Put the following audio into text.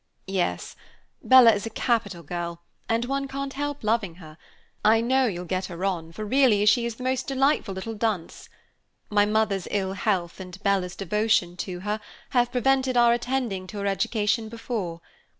"Yes, Bella is a capital girl, and one can't help loving her. I know you'll get her on, for, really, she is the most delightful little dunce. My mother's ill health and Bella's devotion to her have prevented our attending to her education before.